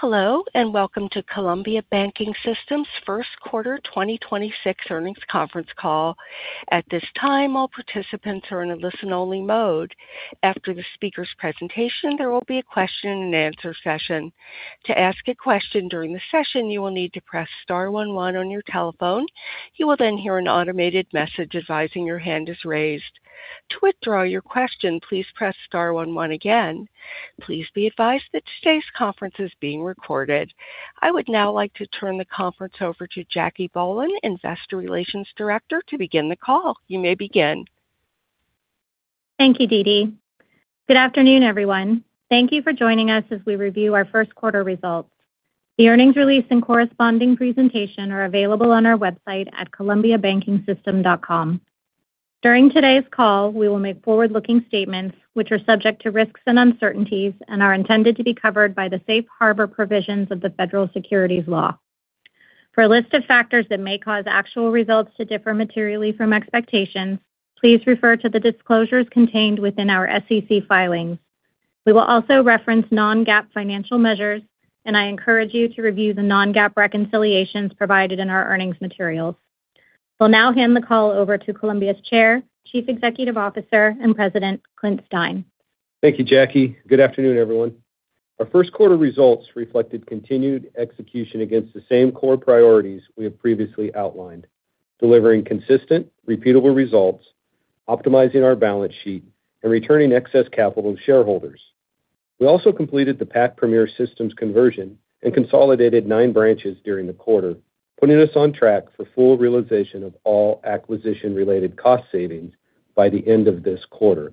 Hello, and welcome to Columbia Banking System's first quarter 2026 earnings conference call. At this time, all participants are in a listen-only mode. After the speaker's presentation, there will be a question and answer session. To ask a question during the session, you will need to press star one one on your telephone. You will then hear an automated message advising your hand is raised. To withdraw your question, please press star one one again. Please be advised that today's conference is being recorded. I would now like to turn the conference over to Jacque Bohlen, Investor Relations Director, to begin the call. You may begin. Thank you, DeeDee. Good afternoon, everyone. Thank you for joining us as we review our first quarter results. The earnings release and corresponding presentation are available on our website at columbiabankingsystem.com. During today's call, we will make forward-looking statements which are subject to risks and uncertainties and are intended to be covered by the safe harbor provisions of the Federal Securities law. For a list of factors that may cause actual results to differ materially from expectations, please refer to the disclosures contained within our SEC filings. We will also reference non-GAAP financial measures, and I encourage you to review the non-GAAP reconciliations provided in our earnings materials. I will now hand the call over to Columbia's Chair, Chief Executive Officer, and President, Clint Stein. Thank you, Jacque. Good afternoon, everyone. Our first quarter results reflected continued execution against the same core priorities we have previously outlined, delivering consistent, repeatable results, optimizing our balance sheet, and returning excess capital to shareholders. We also completed the Pac Premier systems conversion and consolidated nine branches during the quarter, putting us on track for full realization of all acquisition-related cost savings by the end of this quarter.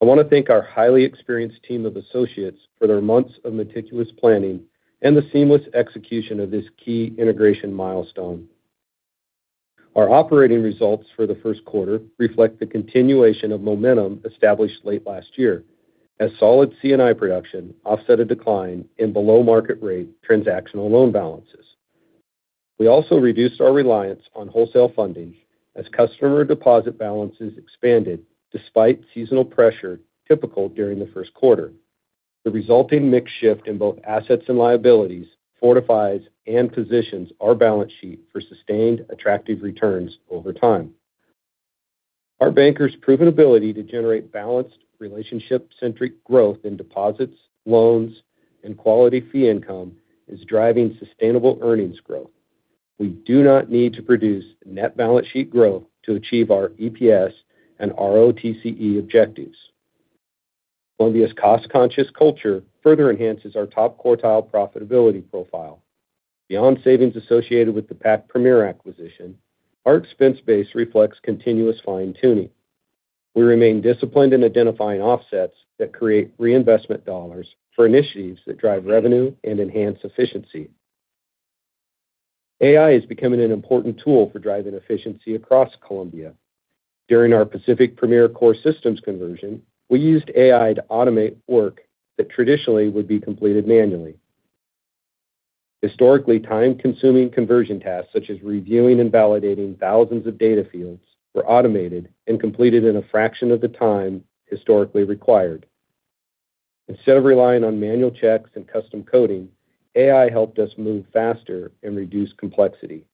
I want to thank our highly experienced team of associates for their months of meticulous planning and the seamless execution of this key integration milestone. Our operating results for the first quarter reflect the continuation of momentum established late last year as solid C&I production offset a decline in below-market rate transactional loan balances. We also reduced our reliance on wholesale funding as customer deposit balances expanded despite seasonal pressure typical during the first quarter. The resulting mix shift in both assets and liabilities fortifies and positions our balance sheet for sustained attractive returns over time. Our bankers' proven ability to generate balanced relationship-centric growth in deposits, loans, and quality fee income is driving sustainable earnings growth. We do not need to produce net balance sheet growth to achieve our EPS and ROTCE objectives. Columbia's cost-conscious culture further enhances our top-quartile profitability profile. Beyond savings associated with the Pac Premier acquisition, our expense base reflects continuous fine-tuning. We remain disciplined in identifying offsets that create reinvestment dollars for initiatives that drive revenue and enhance efficiency. AI is becoming an important tool for driving efficiency across Columbia. During our Pacific Premier core systems conversion, we used AI to automate work that traditionally would be completed manually. Historically time-consuming conversion tasks, such as reviewing and validating thousands of data fields, were automated and completed in a fraction of the time historically required. Instead of relying on manual checks and custom coding, AI helped us move faster and reduce complexity,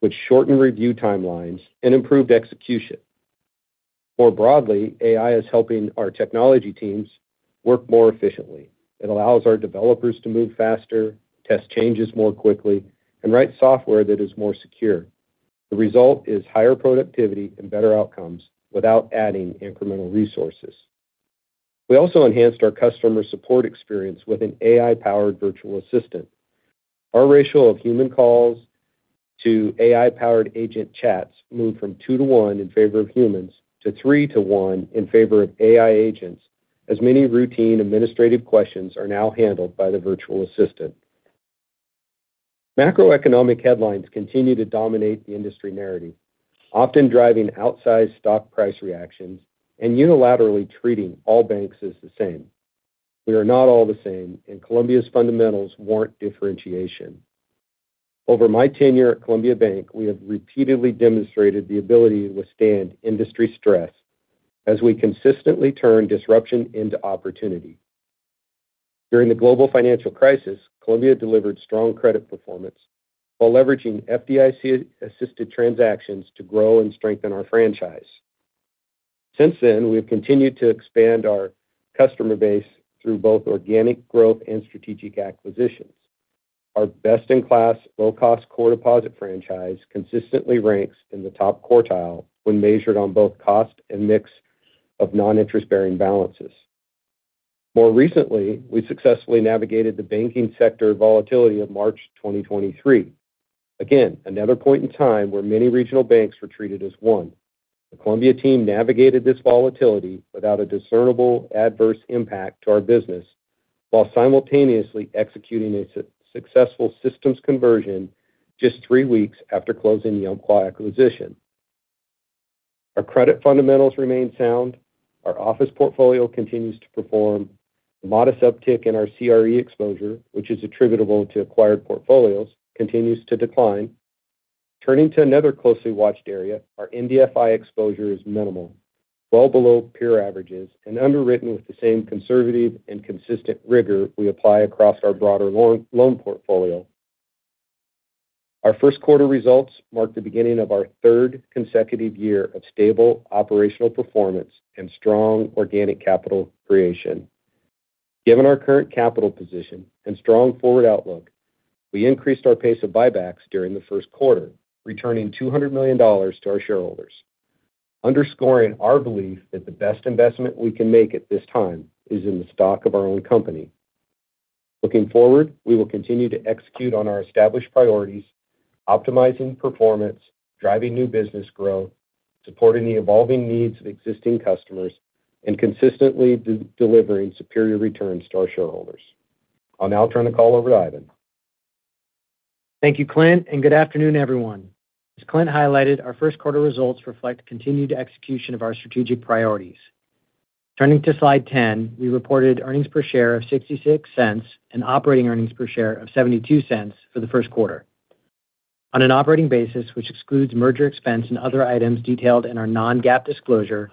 which shortened review timelines and improved execution. More broadly, AI is helping our technology teams work more efficiently. It allows our developers to move faster, test changes more quickly, and write software that is more secure. The result is higher productivity and better outcomes without adding incremental resources. We also enhanced our customer support experience with an AI powered virtual assistant. Our ratio of human calls to AI powered agent chats moved from two to one in favor of humans to three to one in favor of AI agents, as many routine administrative questions are now handled by the virtual assistant. Macroeconomic headlines continue to dominate the industry narrative, often driving outsized stock price reactions and unilaterally treating all banks as the same. We are not all the same, and Columbia's fundamentals warrant differentiation. Over my tenure at Columbia Bank, we have repeatedly demonstrated the ability to withstand industry stress as we consistently turn disruption into opportunity. During the global financial crisis, Columbia delivered strong credit performance while leveraging FDIC assisted transactions to grow and strengthen our franchise. Since then, we've continued to expand our customer base through both organic growth and strategic acquisitions. Our best in class, low cost core deposit franchise consistently ranks in the top quartile when measured on both cost and mix of non-interest bearing balances. More recently, we successfully navigated the banking sector volatility of March 2023. Again, another point in time where many regional banks were treated as one. The Columbia team navigated this volatility without a discernible adverse impact to our business while simultaneously executing a successful systems conversion just three weeks after closing the Umpqua acquisition. Our credit fundamentals remain sound. Our office portfolio continues to perform. The modest uptick in our CRE exposure, which is attributable to acquired portfolios, continues to decline. Turning to another closely watched area, our NDFI exposure is minimal, well below peer averages, and underwritten with the same conservative and consistent rigor we apply across our broader loan portfolio. Our first quarter results marked the beginning of our third consecutive year of stable operational performance and strong organic capital creation. Given our current capital position and strong forward outlook, we increased our pace of buybacks during the first quarter, returning $200 million to our shareholders, underscoring our belief that the best investment we can make at this time is in the stock of our own company. Looking forward, we will continue to execute on our established priorities, optimizing performance, driving new business growth, supporting the evolving needs of existing customers, and consistently delivering superior returns to our shareholders. I'll now turn the call over to Ivan. Thank you, Clint, and good afternoon, everyone. As Clint highlighted, our first quarter results reflect continued execution of our strategic priorities. Turning to slide 10, we reported earnings per share of $0.66 and operating earnings per share of $0.72 for the first quarter. On an operating basis, which excludes merger expense and other items detailed in our non-GAAP disclosure,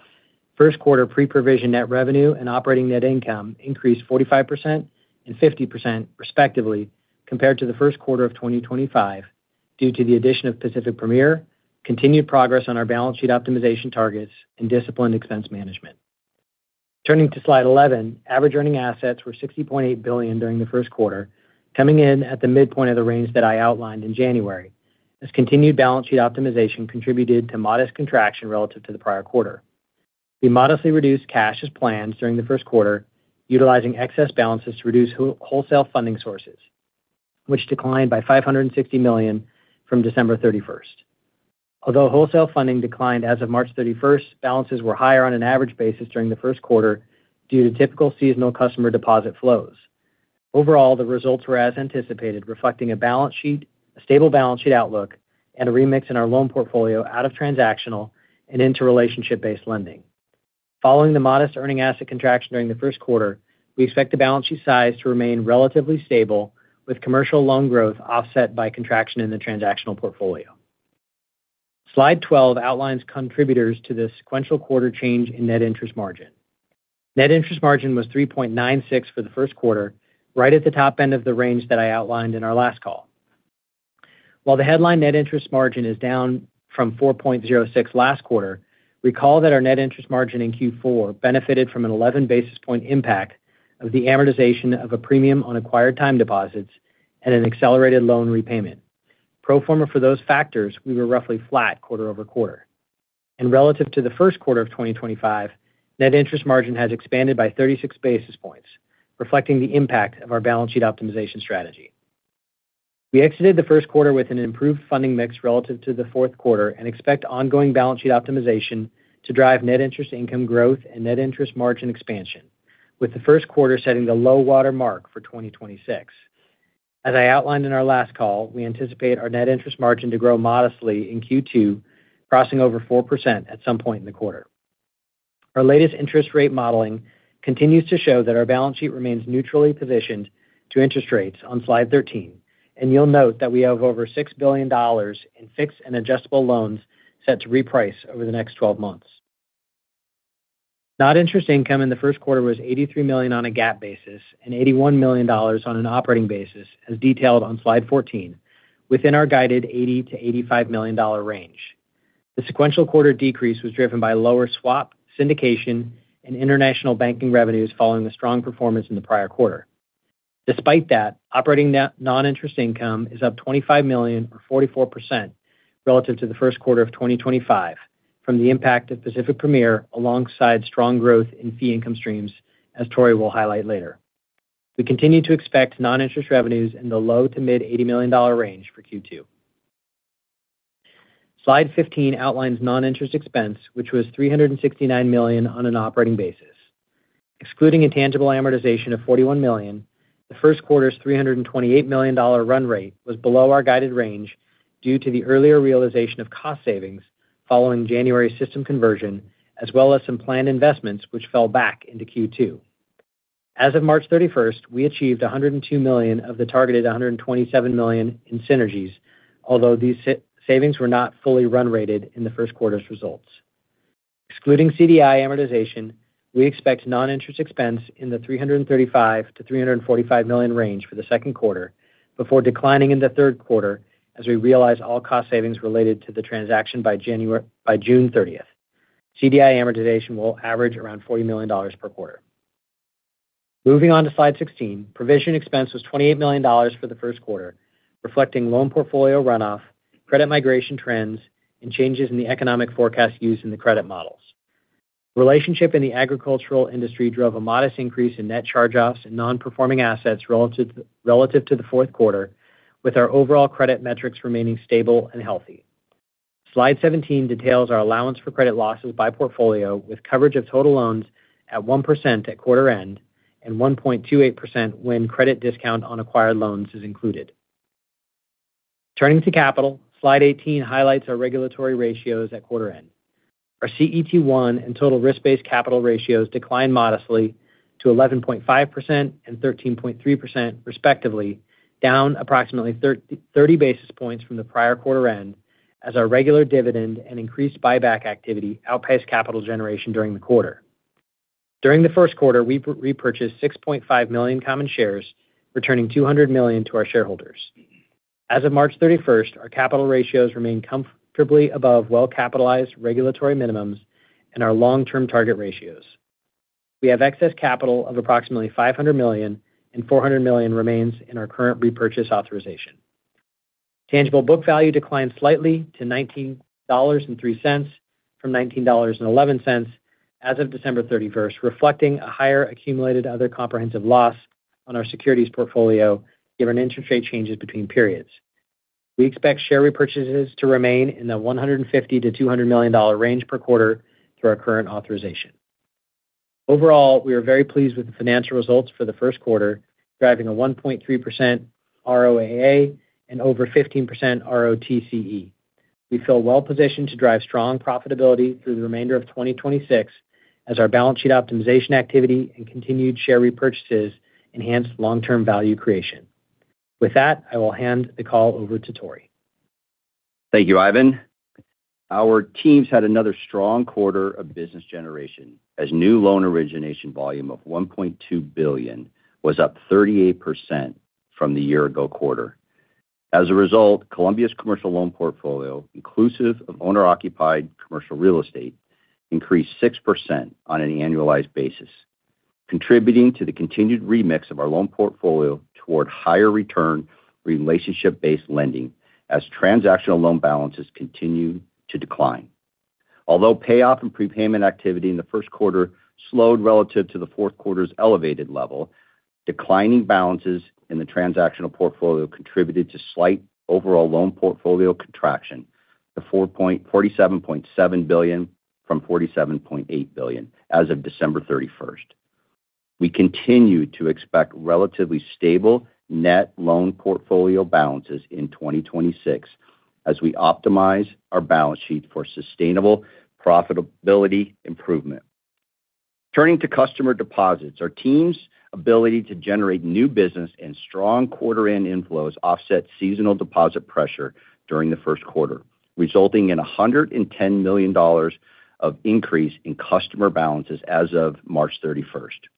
first quarter Pre-Provision Net Revenue and operating net income increased 45% and 50% respectively, compared to the first quarter of 2025 due to the addition of Pacific Premier, continued progress on our balance sheet optimization targets, and disciplined expense management. Turning to slide 11, average earning assets were $60.8 billion during the first quarter, coming in at the midpoint of the range that I outlined in January. This continued balance sheet optimization contributed to modest contraction relative to the prior quarter. We modestly reduced cash as planned during the first quarter, utilizing excess balances to reduce wholesale funding sources, which declined by $560 million from December 31st. Although wholesale funding declined as of March 31st, balances were higher on an average basis during the first quarter due to typical seasonal customer deposit flows. Overall, the results were as anticipated, reflecting a stable balance sheet outlook and a remix in our loan portfolio out of transactional and into relationship-based lending. Following the modest earning asset contraction during the first quarter, we expect the balance sheet size to remain relatively stable, with commercial loan growth offset by contraction in the transactional portfolio. Slide 12 outlines contributors to the sequential quarter change in net interest margin. Net interest margin was 3.96% for the first quarter, right at the top end of the range that I outlined in our last call. While the headline net interest margin is down from 4.06% last quarter, recall that our net interest margin in Q4 benefited from an 11-basis point impact of the amortization of a premium on acquired time deposits and an accelerated loan repayment. Pro forma for those factors, we were roughly flat quarter-over-quarter. Relative to the first quarter of 2025, net interest margin has expanded by 36 basis points, reflecting the impact of our balance sheet optimization strategy. We exited the first quarter with an improved funding mix relative to the fourth quarter and expect ongoing balance sheet optimization to drive net interest income growth and net interest margin expansion, with the first quarter setting the low water mark for 2026. As I outlined in our last call, we anticipate our net interest margin to grow modestly in Q2, crossing over 4% at some point in the quarter. Our latest interest rate modeling continues to show that our balance sheet remains neutrally positioned to interest rates on slide 13, and you'll note that we have over $6 billion in fixed and adjustable loans set to reprice over the next 12 months. Non-interest income in the first quarter was $83 million on a GAAP basis and $81 million on an operating basis, as detailed on slide 14, within our guided $80-$85 million range. The sequential quarter decrease was driven by lower swap, syndication, and international banking revenues following the strong performance in the prior quarter. Despite that, operating non-interest income is up $25 million or 44% relative to the first quarter of 2025 from the impact of Pacific Premier, alongside strong growth in fee income streams, as Tory will highlight later. We continue to expect non-interest revenues in the low to mid $80 million range for Q2. Slide 15 outlines non-interest expense, which was $369 million on an operating basis. Excluding an intangible amortization of $41 million, the first quarter's $328 million run rate was below our guided range due to the earlier realization of cost savings following January system conversion, as well as some planned investments which fell back into Q2. As of March 31st, we achieved $102 million of the targeted $127 million in synergies, although these savings were not fully run rated in the first quarter's results. Excluding CDI amortization, we expect non-interest expense in the $335-$345 million range for the second quarter before declining in the third quarter as we realize all cost savings related to the transaction by June 30th. CDI amortization will average around $40 million per quarter. Moving on to slide 16, provision expense was $28 million for the first quarter, reflecting loan portfolio runoff, credit migration trends, and changes in the economic forecast used in the credit models. Relationship in the agricultural industry drove a modest increase in net charge-offs and non-performing assets relative to the fourth quarter, with our overall credit metrics remaining stable and healthy. Slide 17 details our allowance for credit losses by portfolio, with coverage of total loans at 1% at quarter end and 1.28% when credit discount on acquired loans is included. Turning to capital, slide 18 highlights our regulatory ratios at quarter end. Our CET1 and total risk-based capital ratios declined modestly to 11.5% and 13.3% respectively, down approximately 30 basis points from the prior quarter end as our regular dividend and increased buyback activity outpaced capital generation during the quarter. During the first quarter, we repurchased 6.5 million common shares, returning $200 million to our shareholders. As of March 31st, our capital ratios remain comfortably above well-capitalized regulatory minimums and our long-term target ratios. We have excess capital of approximately $500 million, and $400 million remains in our current repurchase authorization. Tangible book value declined slightly to $19.03 from $19.11 as of December 31st, reflecting a higher accumulated other comprehensive loss on our securities portfolio given interest rate changes between periods. We expect share repurchases to remain in the $150-$200 million range per quarter through our current authorization. Overall, we are very pleased with the financial results for the first quarter, driving a 1.3% ROAA and over 15% ROTCE. We feel well positioned to drive strong profitability through the remainder of 2026 as our balance sheet optimization activity and continued share repurchases enhance long-term value creation. With that, I will hand the call over to Tory. Thank you, Ivan. Our teams had another strong quarter of business generation as new loan origination volume of $1.2 billion was up 38% from the year ago quarter. As a result, Columbia's commercial loan portfolio, inclusive of owner-occupied commercial real estate, increased 6% on an annualized basis, contributing to the continued remix of our loan portfolio toward higher return relationship-based lending as transactional loan balances continue to decline. Although payoff and prepayment activity in the first quarter slowed relative to the fourth quarter's elevated level, declining balances in the transactional portfolio contributed to slight overall loan portfolio contraction to $47.7 billion from $47.8 billion as of December 31st. We continue to expect relatively stable net loan portfolio balances in 2026 as we optimize our balance sheet for sustainable profitability improvement. Turning to customer deposits, our team's ability to generate new business and strong quarter end inflows offset seasonal deposit pressure during the first quarter, resulting in $110 million of increase in customer balances as of March 31st.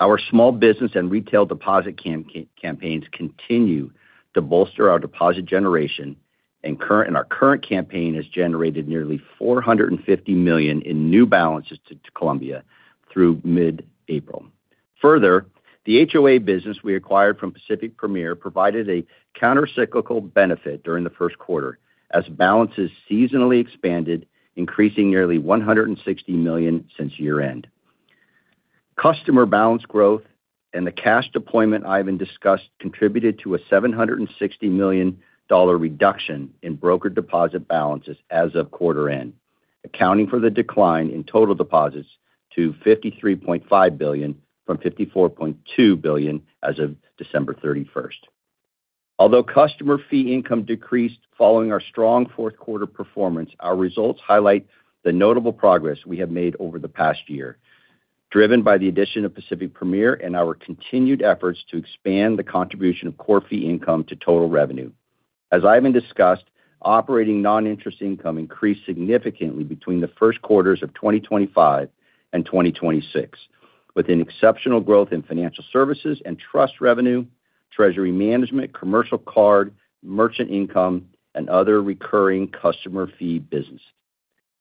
Our small business and retail deposit campaigns continue to bolster our deposit generation, and our current campaign has generated nearly $450 million in new balances to Columbia through mid-April. Further, the HOA business we acquired from Pacific Premier provided a counter-cyclical benefit during the first quarter as balances seasonally expanded, increasing nearly $160 million since year-end. Customer balance growth and the cash deployment Ivan discussed contributed to a $760 million reduction in brokered deposit balances as of quarter end, accounting for the decline in total deposits to $53.5 billion from $54.2 billion as of December 31st. Although customer fee income decreased following our strong fourth quarter performance, our results highlight the notable progress we have made over the past year, driven by the addition of Pacific Premier and our continued efforts to expand the contribution of core fee income to total revenue. As Ivan discussed, operating non-interest income increased significantly between the first quarters of 2025 and 2026, with an exceptional growth in financial services and trust revenue, treasury management, commercial card, merchant income, and other recurring customer fee business.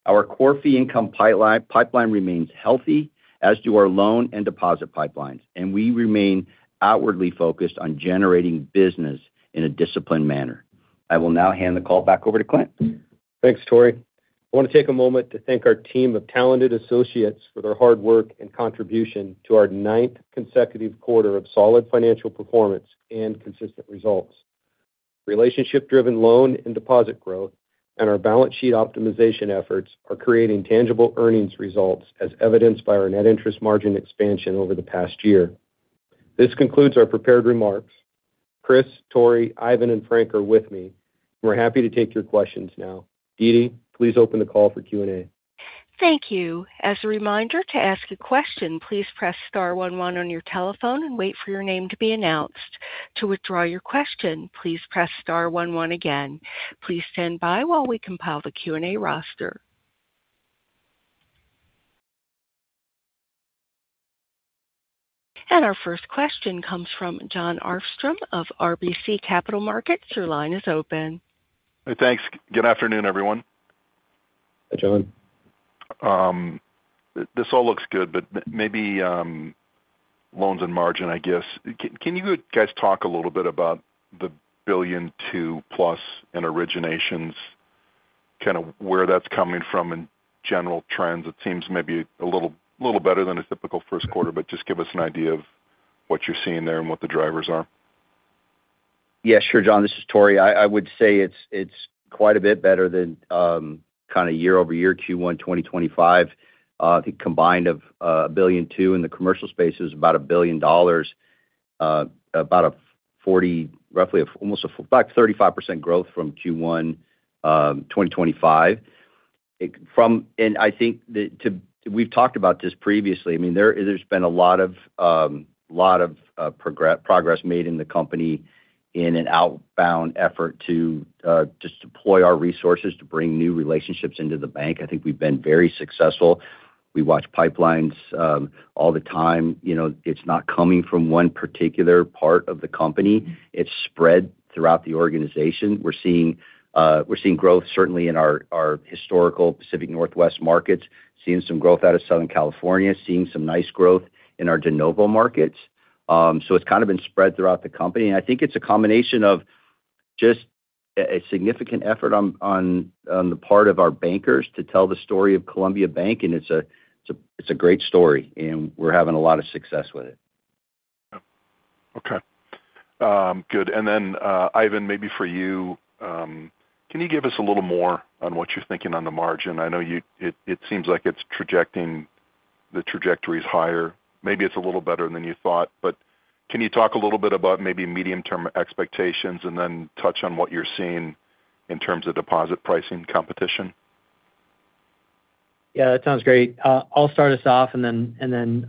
Our core fee income pipeline remains healthy, as do our loan and deposit pipelines, and we remain outwardly focused on generating business in a disciplined manner. I will now hand the call back over to Clint. Thanks, Tory. I want to take a moment to thank our team of talented associates for their hard work and contribution to our ninth consecutive quarter of solid financial performance and consistent results. Relationship-driven loan and deposit growth and our balance sheet optimization efforts are creating tangible earnings results, as evidenced by our net interest margin expansion over the past year. This concludes our prepared remarks. Chris, Tory, Ivan, and Frank are with me. We're happy to take your questions now. DeeDee, please open the call for Q&A. Thank you. As a reminder to ask a question, please press star one one on your telephone and wait for your name to be announced. To withdraw your question, please press star one one again. Please stand by while we compile the Q and A roster. Our first question comes from Jon Arfstrom of RBC Capital Markets. Your line is open. Hey, thanks. Good afternoon, everyone. Hi, Jon. This all looks good, but maybe loans and margin, I guess. Can you guys talk a little bit about the $1.2 billion+ in originations, where that's coming from in general trends? It seems maybe a little better than a typical first quarter, but just give us an idea of what you're seeing there and what the drivers are. Yeah, sure, Jon. This is Tory. I would say it's quite a bit better than year-over-year Q1 2025. I think combined of $1.2 billion in the commercial space is about $1 billion. About 40%, roughly almost about 35% growth from Q1 2025. I think we've talked about this previously. There's been a lot of progress made in the company in an outbound effort to just deploy our resources to bring new relationships into the bank. I think we've been very successful. We watch pipelines all the time. It's not coming from one particular part of the company. It's spread throughout the organization. We're seeing growth certainly in our historical Pacific Northwest markets, seeing some growth out of Southern California, seeing some nice growth in our de novo markets. It's kind of been spread throughout the company. I think it's a combination of just a significant effort on the part of our bankers to tell the story of Columbia Bank, and it's a great story, and we're having a lot of success with it. Okay. Good. Ivan, maybe for you, can you give us a little more on what you're thinking on the margin? I know it seems like its trajecting, the trajectory is higher. Maybe it's a little better than you thought, but can you talk a little bit about maybe medium-term expectations and then touch on what you're seeing in terms of deposit pricing competition? Yeah, that sounds great. I'll start us off and then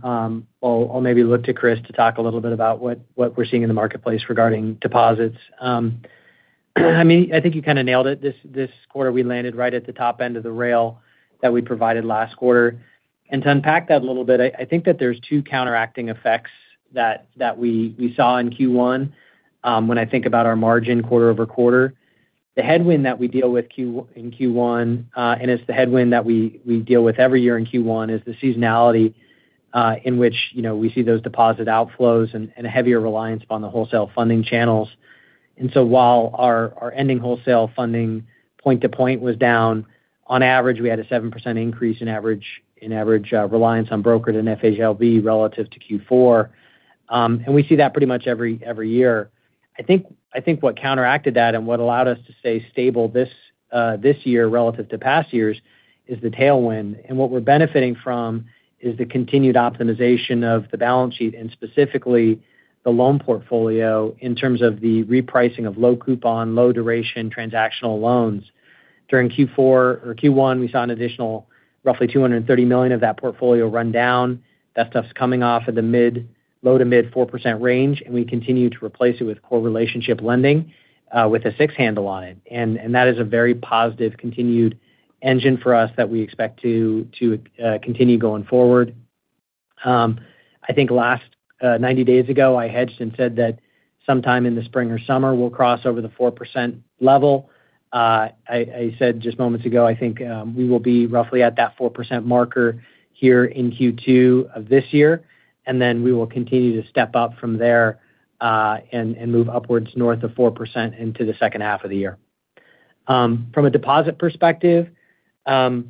I'll maybe look to Chris to talk a little bit about what we're seeing in the marketplace regarding deposits. I think you kind of nailed it. This quarter, we landed right at the top end of the rail that we provided last quarter. To unpack that a little bit, I think that there's two counteracting effects that we saw in Q1. When I think about our margin quarter-over-quarter, the headwind that we deal with in Q1, and it's the headwind that we deal with every year in Q1 is the seasonality, in which we see those deposit outflows and a heavier reliance upon the wholesale funding channels. While our ending wholesale funding point to point was down, on average, we had a 7% increase in average reliance on brokered and FHLB relative to Q4. We see that pretty much every year. I think what counteracted that and what allowed us to stay stable this year relative to past years is the tailwind. What we're benefiting from is the continued optimization of the balance sheet and specifically the loan portfolio in terms of the repricing of low coupon, low duration transactional loans. During Q4 or Q1, we saw an additional roughly $230 million of that portfolio run down. That stuff's coming off of the low to mid 4% range, and we continue to replace it with core relationship lending with a six handle on it. That is a very positive continued engine for us that we expect to continue going forward. I think about 90 days ago, I hedged and said that sometime in the spring or summer, we'll cross over the 4% level. I said just moments ago, I think we will be roughly at that 4% marker here in Q2 of this year, and then we will continue to step up from there and move upwards north of 4% into the second half of the year. From a deposit perspective, there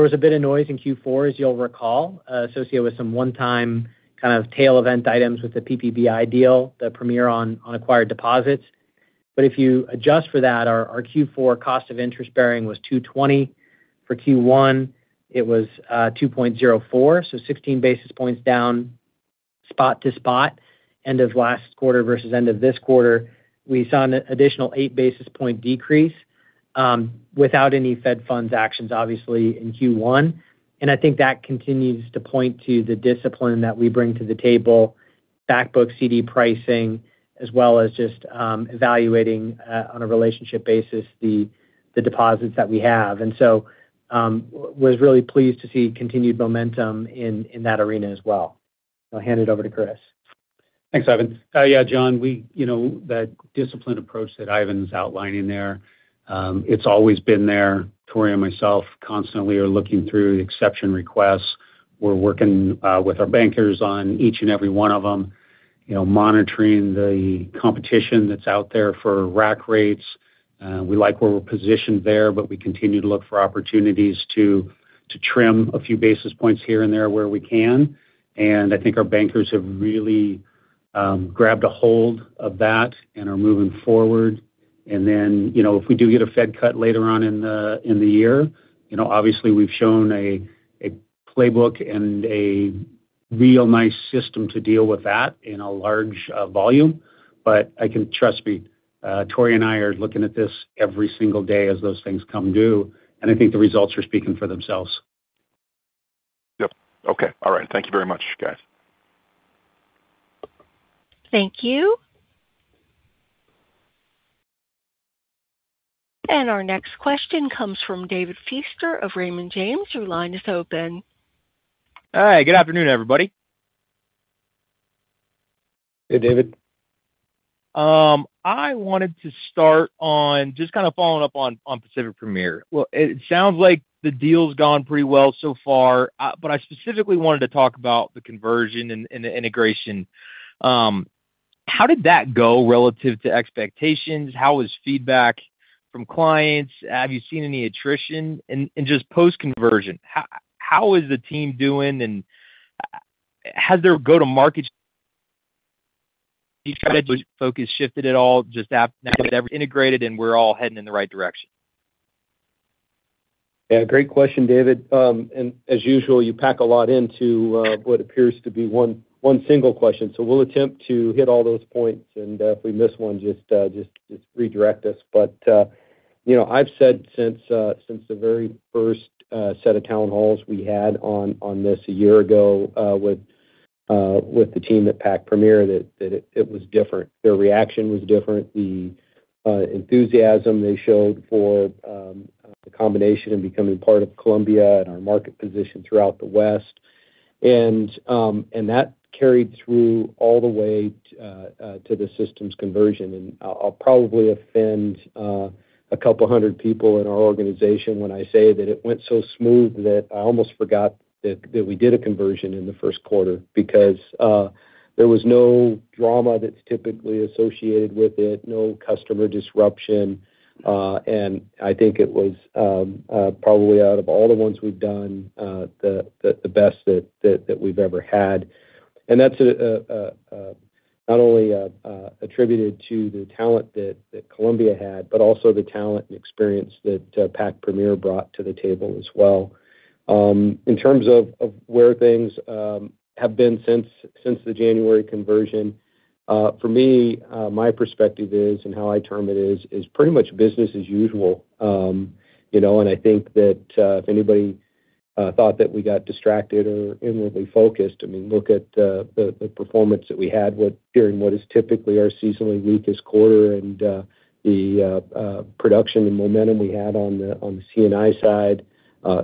was a bit of noise in Q4, as you'll recall, associated with some one-time kind of tail event items with the PPBI deal, the Premier non-acquired deposits. If you adjust for that, our Q4 cost of interest-bearing was 220. For Q1, it was 2.04%, so 16 basis points down spot to spot. End of last quarter versus end of this quarter, we saw an additional eight basis points decrease without any Fed funds actions, obviously in Q1. I think that continues to point to the discipline that we bring to the table, back book CD pricing, as well as just evaluating on a relationship basis the deposits that we have. I was really pleased to see continued momentum in that arena as well. I'll hand it over to Chris. Thanks, Ivan. Yeah, Jon, that disciplined approach that Ivan's outlining there, it's always been there. Tory and myself constantly are looking through exception requests. We're working with our bankers on each and every one of them, monitoring the competition that's out there for rack rates. We like where we're positioned there, but we continue to look for opportunities to trim a few basis points here and there where we can. I think our bankers have really grabbed a hold of that and are moving forward. Then if we do get a Fed cut later on in the year, obviously we've shown a playbook and a real nice system to deal with that in a large volume. Trust me, Tory and I are looking at this every single day as those things come due, and I think the results are speaking for themselves. Yep. Okay. All right. Thank you very much, guys. Thank you. Our next question comes from David Feaster of Raymond James. Your line is open. Hi. Good afternoon, everybody. Hey, David. I wanted to start on just kind of following up on Pacific Premier. Well, it sounds like the deal's gone pretty well so far, but I specifically wanted to talk about the conversion and the integration. How did that go relative to expectations? How was feedback from clients? Have you seen any attrition? Just post-conversion, how is the team doing and has their go-to-market strategy focus shifted at all just now that everything integrated and we're all heading in the right direction? Yeah. Great question, David. As usual, you pack a lot into what appears to be one single question. We'll attempt to hit all those points, and if we miss one, just redirect us. I've said since the very first set of town halls we had on this a year ago with the team at Pac Premier, that it was different. Their reaction was different, the enthusiasm they showed for the combination and becoming part of Columbia and our market position throughout the West. That carried through all the way to the systems conversion. I'll probably offend a couple hundred people in our organization when I say that it went so smooth that I almost forgot that we did a conversion in the first quarter because there was no drama that's typically associated with it, no customer disruption. I think it was, probably out of all the ones we've done, the best that we've ever had. That's not only attributed to the talent that Columbia had, but also the talent and experience that Pacific Premier brought to the table as well. In terms of where things have been since the January conversion, for me, my perspective is and how I term it is pretty much business as usual. I think that if anybody thought that we got distracted or inwardly focused, I mean, look at the performance that we had during what is typically our seasonally weakest quarter and the production and momentum we had on the C&I side,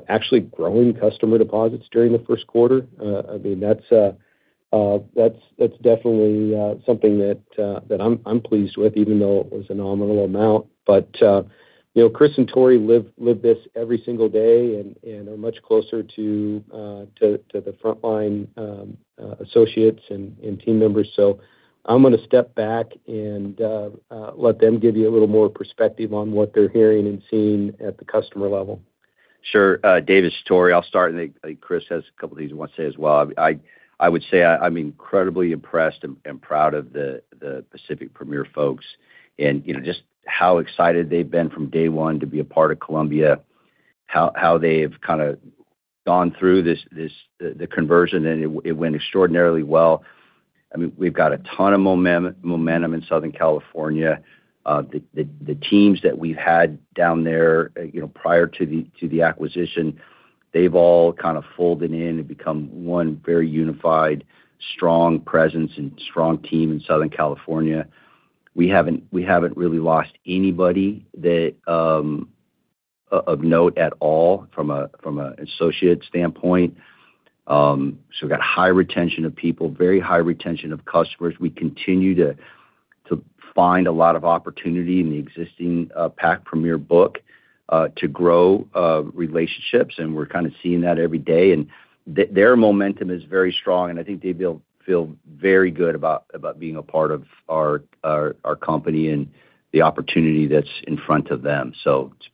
actually growing customer deposits during the first quarter. I mean, that's definitely something that I'm pleased with, even though it was a nominal amount. Chris and Tory live this every single day and are much closer to the frontline associates and team members. I'm going to step back and let them give you a little more perspective on what they're hearing and seeing at the customer level. Sure. Dave, it's Tory. I'll start, and I think Chris has a couple of things he wants to say as well. I would say I'm incredibly impressed and proud of the Pacific Premier folks and just how excited they've been from day one to be a part of Columbia, how they've kind of gone through the conversion, and it went extraordinarily well. I mean, we've got a ton of momentum in Southern California. The teams that we've had down there prior to the acquisition, they've all kind of folded in and become one very unified, strong presence and strong team in Southern California. We haven't really lost anybody of note at all from an associate standpoint. We've got high retention of people, very high retention of customers. We continue to find a lot of opportunity in the existing Pac Premier book to grow relationships, and we're kind of seeing that every day. Their momentum is very strong, and I think they feel very good about being a part of our company and the opportunity that's in front of them. It's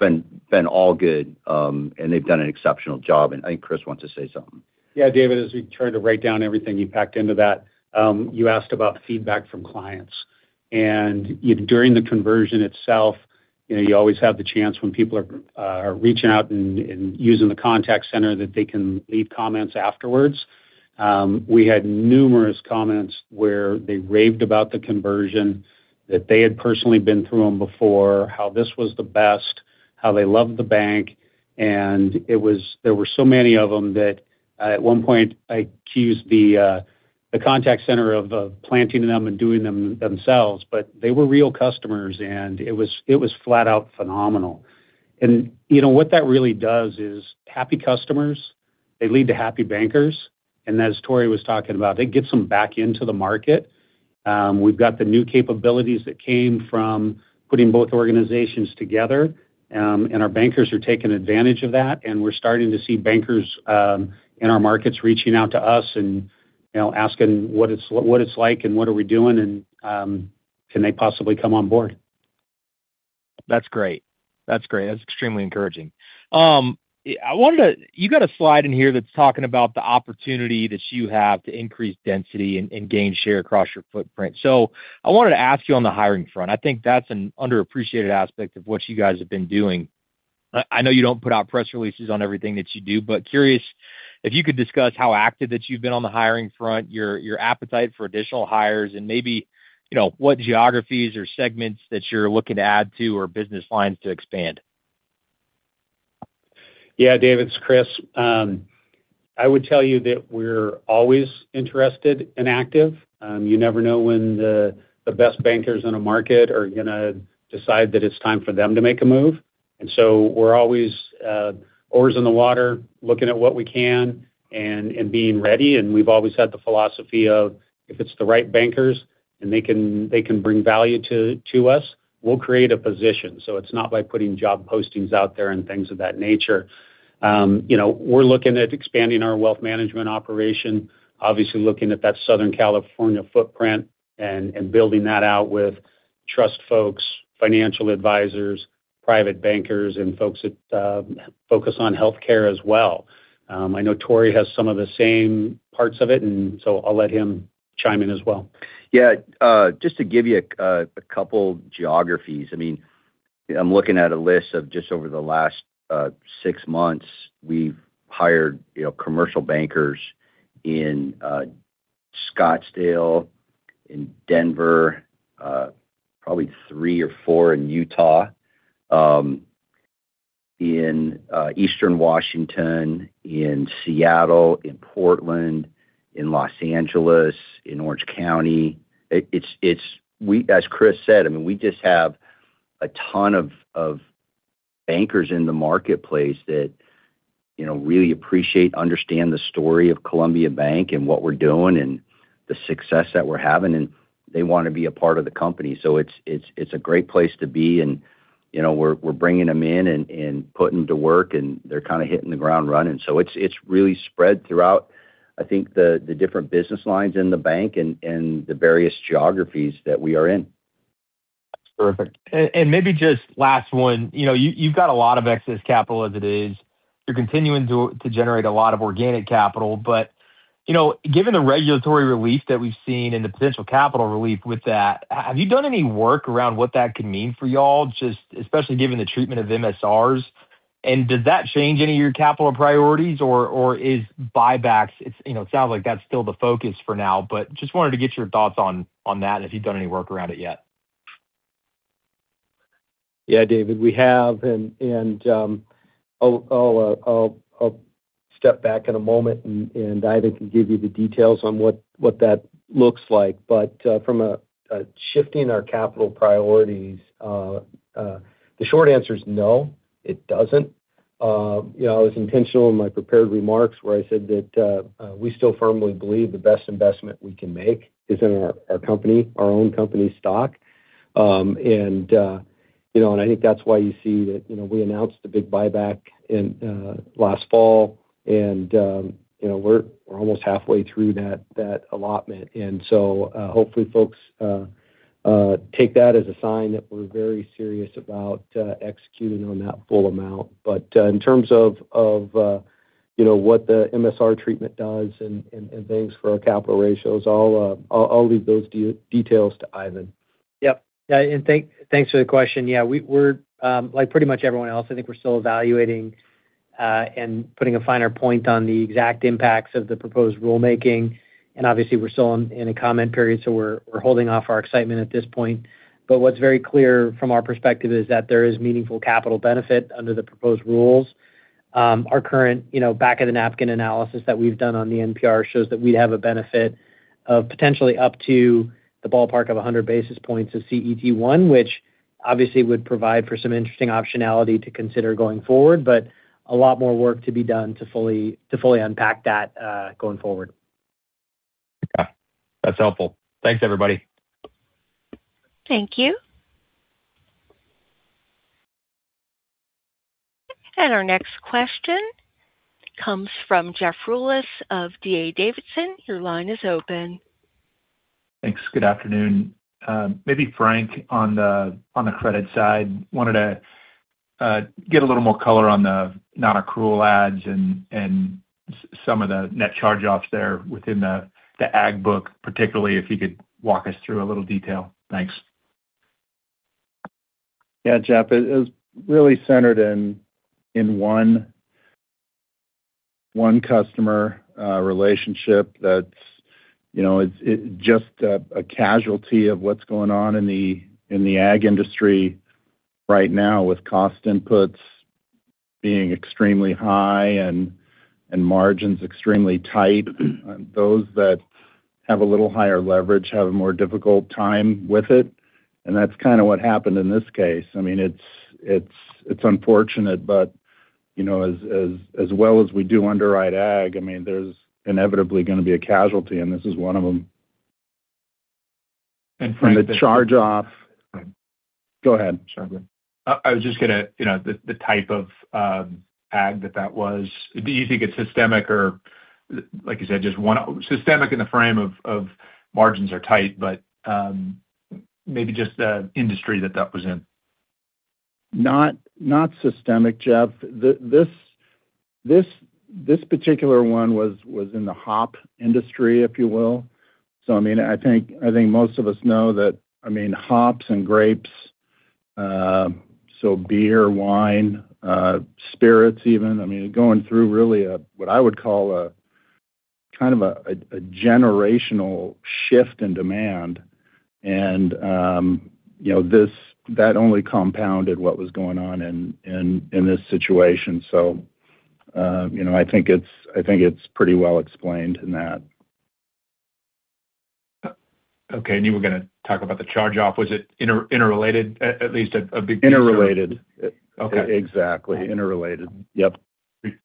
been all good. They've done an exceptional job. I think Chris wants to say something. Yeah, David, as we tried to write down everything you packed into that. You asked about feedback from clients. During the conversion itself, you always have the chance when people are reaching out and using the contact center that they can leave comments afterwards. We had numerous comments where they raved about the conversion that they had personally been through them before, how this was the best, how they loved the bank, and there were so many of them that at one point I accused the contact center of planting them and doing them themselves, but they were real customers, and it was flat out phenomenal. What that really does is happy customers, they lead to happy bankers. As Tory was talking about, it gets them back into the market. We've got the new capabilities that came from putting both organizations together. Our bankers are taking advantage of that, and we're starting to see bankers in our markets reaching out to us and asking what it's like and what are we doing, and can they possibly come on board. That's great. That's extremely encouraging. You got a slide in here that's talking about the opportunity that you have to increase density and gain share across your footprint. I wanted to ask you on the hiring front. I think that's an underappreciated aspect of what you guys have been doing. I know you don't put out press releases on everything that you do, but curious if you could discuss how active that you've been on the hiring front, your appetite for additional hires, and maybe what geographies or segments that you're looking to add to or business lines to expand. Yeah. Dave, it's Chris. I would tell you that we're always interested and active. You never know when the best bankers in a market are going to decide that it's time for them to make a move. We're always oars in the water, looking at what we can and being ready. We've always had the philosophy of, if it's the right bankers and they can bring value to us, we'll create a position. It's not by putting job postings out there and things of that nature. We're looking at expanding our wealth management operation. Obviously looking at that Southern California footprint and building that out with trust folks, financial advisors, private bankers, and folks that focus on healthcare as well. I know Tory has some of the same parts of it, and so I'll let him chime in as well. Yeah. Just to give you a couple geographies. I'm looking at a list of just over the last six months. We've hired commercial bankers in Scottsdale, in Denver, probably three or four in Utah, in Eastern Washington, in Seattle, in Portland, in Los Angeles, in Orange County. As Chris said, we just have a ton of bankers in the marketplace that really appreciate, understand the story of Columbia Bank and what we're doing and the success that we're having, and they want to be a part of the company. It's a great place to be, and we're bringing them in and putting to work, and they're kind of hitting the ground running. It's really spread throughout, I think, the different business lines in the bank and the various geographies that we are in. That's terrific. Maybe just last one. You've got a lot of excess capital as it is. You're continuing to generate a lot of organic capital. Given the regulatory relief that we've seen and the potential capital relief with that, have you done any work around what that could mean for you all, especially given the treatment of MSRs? Does that change any of your capital priorities? Is buybacks. It sounds like that's still the focus for now, but just wanted to get your thoughts on that and if you've done any work around it yet. Yeah. David, we have, and I'll step back in a moment and Ivan can give you the details on what that looks like. From shifting our capital priorities, the short answer is no, it doesn't. I was intentional in my prepared remarks where I said that we still firmly believe the best investment we can make is in our company, our own company stock. I think that's why you see that we announced a big buyback last fall, and we're almost halfway through that allotment. Hopefully folks take that as a sign that we're very serious about executing on that full amount. In terms of what the MSR treatment does and things for our capital ratios, I'll leave those details to Ivan. Yep. Thanks for the question. Yeah. Like pretty much everyone else, I think we're still evaluating and putting a finer point on the exact impacts of the proposed rulemaking. Obviously, we're still in a comment period, so we're holding off our excitement at this point. What's very clear from our perspective is that there is meaningful capital benefit under the proposed rules. Our current back-of-the-napkin analysis that we've done on the NPR shows that we'd have a benefit of potentially up to the ballpark of 100 basis points of CET1, which obviously would provide for some interesting optionality to consider going forward, but a lot more work to be done to fully unpack that going forward. Yeah. That's helpful. Thanks, everybody. Thank you. Our next question comes from Jeff Rulis of D.A. Davidson. Your line is open. Thanks. Good afternoon. Maybe Frank, on the credit side, wanted to get a little more color on the non-accrual adds and some of the net charge-offs there within the ag book, particularly if you could walk us through a little detail. Thanks. Yeah. Jeff, it was really centered in one customer relationship that's just a casualty of what's going on in the ag industry right now with cost inputs being extremely high and margins extremely tight. Those that have a little higher leverage have a more difficult time with it, and that's kind of what happened in this case. It's unfortunate, but as well as we do underwrite ag, there's inevitably going to be a casualty, and this is one of them. Frank Go ahead, sorry. The type of ag that that was. Do you think it's systemic or, like you said, just one, systemic in the frame of margins are tight, but maybe just the industry that that was in. Not systemic, Jeff. This particular one was in the hop industry, if you will. I think most of us know that hops and grapes, so beer, wine, spirits even, are going through really what I would call a kind of a generational shift in demand. And that only compounded what was going on in this situation. I think it's pretty well explained in that. Okay. You were going to talk about the charge-off. Was it interrelated, at least a big Interrelated. Okay. Exactly. Interrelated. Yep.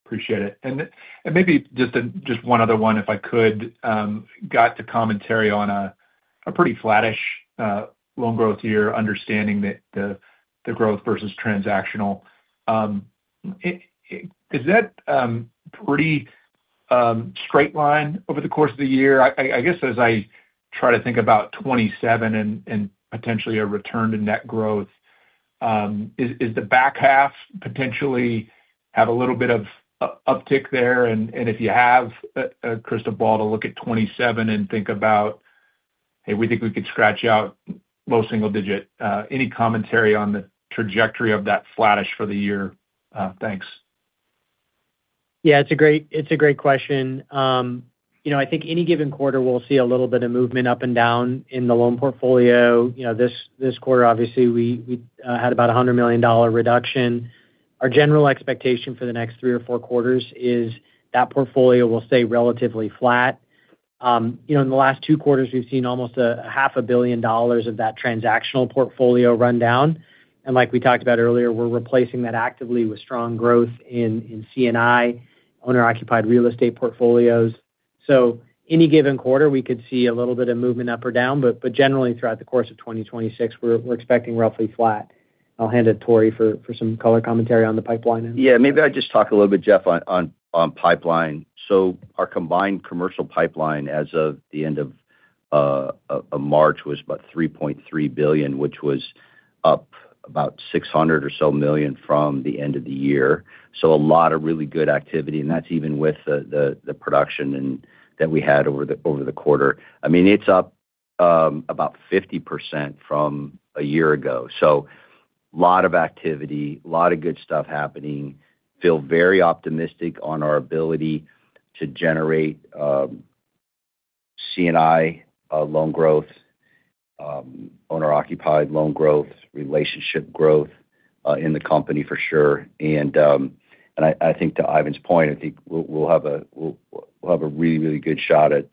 Appreciate it. Maybe just one other one, if I could. Got the commentary on a pretty flattish loan growth year, understanding that the growth versus transactional. Is that pretty straight line over the course of the year. I guess as I try to think about 2027 and potentially a return to net growth, is the back half potentially have a little bit of uptick there? If you have a crystal ball to look at 2027 and think about, hey, we think we could scratch out low single digit. Any commentary on the trajectory of that flattish for the year? Thanks. Yeah, it's a great question. I think any given quarter we'll see a little bit of movement up and down in the loan portfolio. This quarter, obviously, we had about $100 million reduction. Our general expectation for the next three or four quarters is that portfolio will stay relatively flat. In the last two quarters, we've seen almost $0.5 billion of that transactional portfolio run down. Like we talked about earlier, we're replacing that actively with strong growth in C&I, owner-occupied real estate portfolios. Any given quarter, we could see a little bit of movement up or down, but generally throughout the course of 2026, we're expecting roughly flat. I'll hand it to Tory for some color commentary on the pipeline end. Yeah, maybe I'll just talk a little bit, Jeff, on pipeline. Our combined commercial pipeline as of the end of March was about $3.3 billion, which was up about $600 million or so from the end of the year. A lot of really good activity, and that's even with the production that we had over the quarter. It's up about 50% from a year ago. Lot of activity, lot of good stuff happening. Feel very optimistic on our ability to generate C&I loan growth, owner-occupied loan growth, relationship growth in the company for sure. I think to Ivan's point, I think we'll have a really good shot at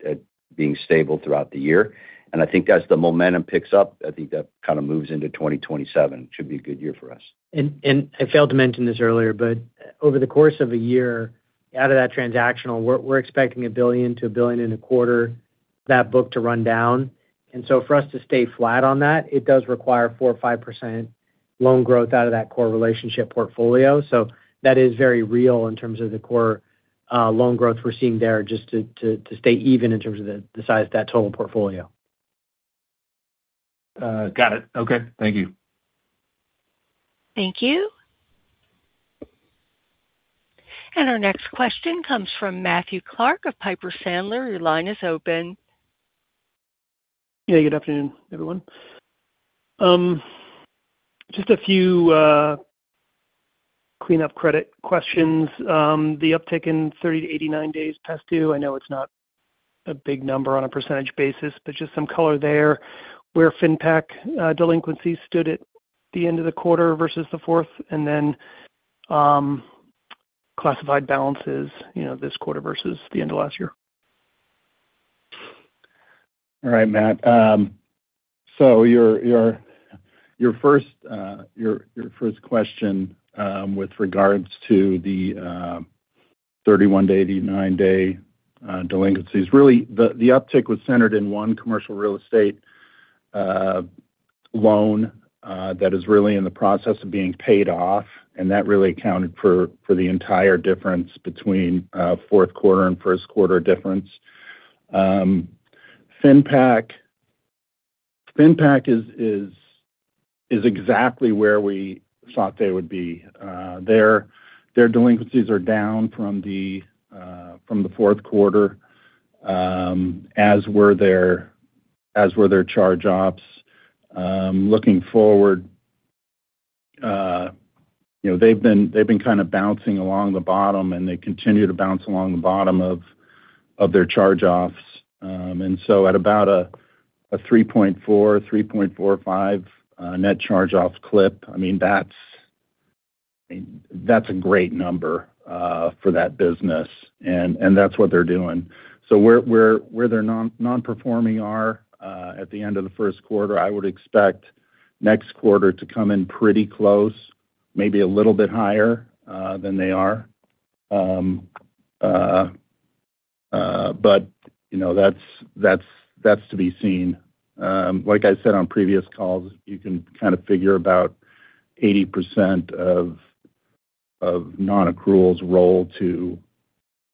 being stable throughout the year. I think as the momentum picks up, I think that kind of moves into 2027. Should be a good year for us. I failed to mention this earlier, but over the course of a year, out of that transactional, we're expecting $1 billion-$1.25 billion, that book to run down. For us to stay flat on that, it does require 4% or 5% loan growth out of that core relationship portfolio. That is very real in terms of the core loan growth we're seeing there just to stay even in terms of the size of that total portfolio. Got it. Okay. Thank you. Thank you. Our next question comes from Matthew Clark of Piper Sandler. Your line is open. Yeah, good afternoon, everyone. Just a few cleanup credit questions. The uptick in 30-89 days past due, I know it's not a big number on a percentage basis, but just some color there where FinPac delinquencies stood at the end of the quarter versus the fourth quarter, and then classified balances this quarter versus the end of last year. All right, Matt. Your first question with regards to the 31-day, 89-day delinquencies. Really, the uptick was centered in one commercial real estate loan that is really in the process of being paid off, and that really accounted for the entire difference between fourth quarter and first quarter difference. FinPac is exactly where we thought they would be. Their delinquencies are down from the fourth quarter as were their charge-offs. Looking forward, they've been kind of bouncing along the bottom and they continue to bounce along the bottom of their charge-offs. At about a 3.4%, 3.45% net charge-offs clip, that's a great number for that business. That's what they're doing. Where their non-performing are at the end of the first quarter, I would expect next quarter to come in pretty close, maybe a little bit higher than they are. That's to be seen. Like I said on previous calls, you can kind of figure about 80% of non-accruals roll to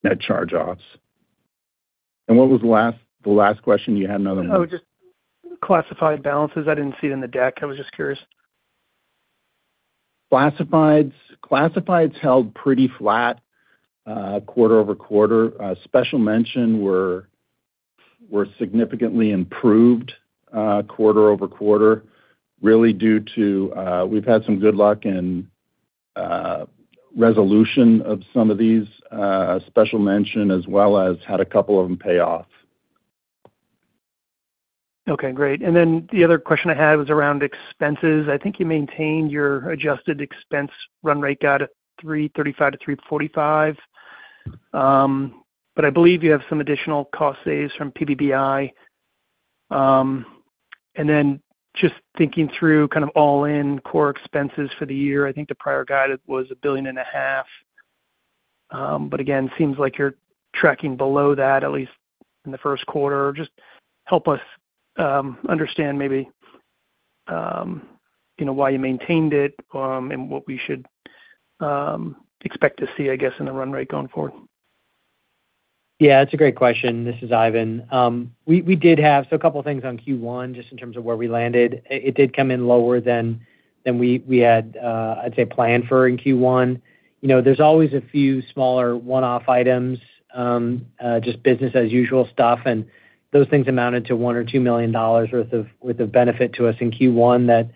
net charge-offs. What was the last question? You had another one. Oh, just classified balances. I didn't see it in the deck. I was just curious. Classifieds held pretty flat quarter-over-quarter. Special mention were significantly improved quarter-over-quarter, really due to we've had some good luck in resolution of some of these. Special mention as well as had a couple of them pay off. Okay, great. The other question I had was around expenses. I think you maintained your adjusted expense run rate guide at $335 million-$345 million. I believe you have some additional cost savings from PPBI. Just thinking through kind of all-in core expenses for the year, I think the prior guide was $1.5 billion. Again, seems like you're tracking below that at least in the first quarter. Just help us understand maybe. Why you maintained it and what we should expect to see, I guess, in the run rate going forward. Yeah, it's a great question. This is Ivan. A couple things on Q1, just in terms of where we landed. It did come in lower than we had, I'd say, planned for in Q1. There's always a few smaller one-off items, just business as usual stuff, and those things amounted to $1 million or $2 million worth of benefit to us in Q1.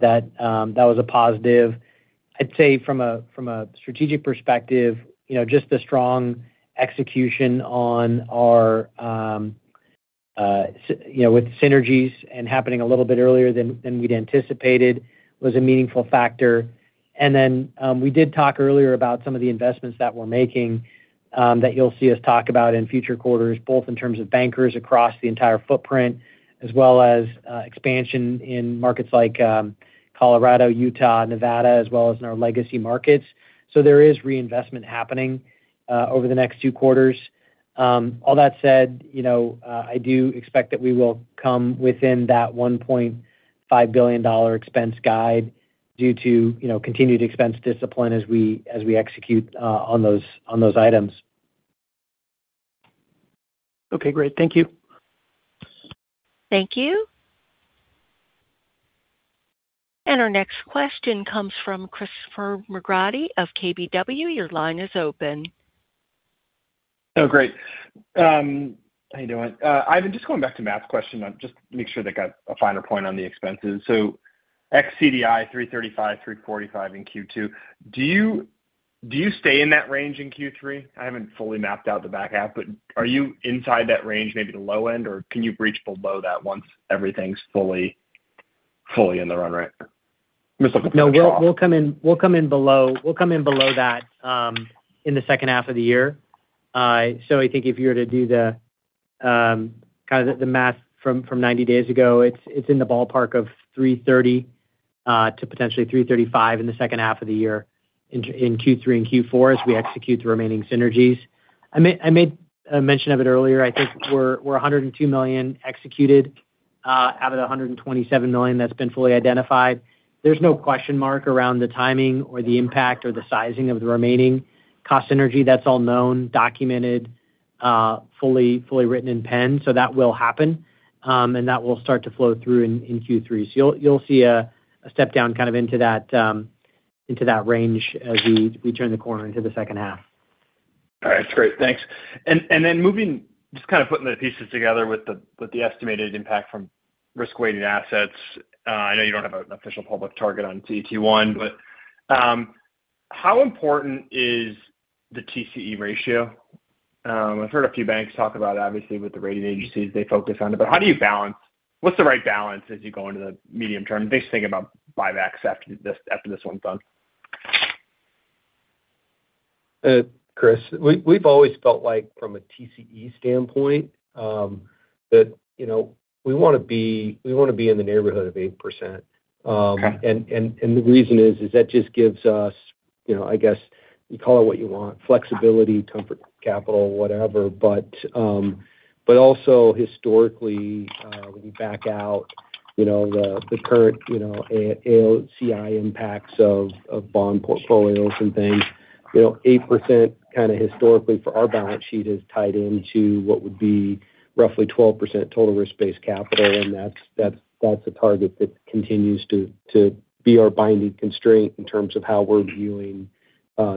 That was a positive. I'd say from a strategic perspective, just the strong execution with synergies and happening a little bit earlier than we'd anticipated was a meaningful factor. We did talk earlier about some of the investments that we're making that you'll see us talk about in future quarters, both in terms of bankers across the entire footprint as well as expansion in markets like Colorado, Utah, Nevada, as well as in our legacy markets. There is reinvestment happening over the next two quarters. All that said, I do expect that we will come within that $1.5 billion expense guide due to continued expense discipline as we execute on those items. Okay, great. Thank you. Thank you. Our next question comes from Christopher McGratty of KBW. Your line is open. Oh, great. How you doing? Ivan, just going back to Matt's question, just make sure to get a finer point on the expenses. Ex CDI $335 million-$345million in Q2. Do you stay in that range in Q3? I haven't fully mapped out the back half, but are you inside that range, maybe the low end, or can you breach below that once everything's fully in the run rate? No, we'll come in below that in the second half of the year. I think if you were to do the kind of the math from 90 days ago, it's in the ballpark of $330 million to potentially $335 million in the second half of the year in Q3 and Q4 as we execute the remaining synergies. I made a mention of it earlier. I think we're $102 million executed out of the $127 million that's been fully identified. There's no question mark around the timing or the impact or the sizing of the remaining cost synergy. That's all known, documented, fully written in pen. That will happen. That will start to flow through in Q3. You'll see a step down kind of into that range as we turn the corner into the second half. All right, that's great. Thanks. Just kind of putting the pieces together with the estimated impact from risk-weighted assets. I know you don't have an official public target on CET1, but how important is the TCE ratio? I've heard a few banks talk about, obviously with the rating agencies, they focus on it, but how do you balance, what's the right balance as you go into the medium term, basically think about buybacks after this one's done. Chris, we've always felt like from a TCE standpoint that we want to be in the neighborhood of 8%. Okay. The reason is that just gives us, I guess you call it what you want, flexibility, comfort, capital, whatever. Also historically when you back out the current AOCI impacts of bond portfolios and things, 8% kind of historically for our balance sheet is tied into what would be roughly 12% total risk-based capital. That's a target that continues to be our binding constraint in terms of how we're viewing